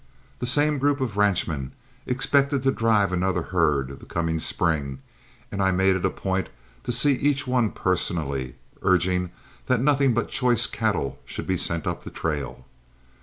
The same group of ranchmen expected to drive another herd the coming spring, and I made it a point to see each one personally, urging that nothing but choice cattle should be sent up the trail.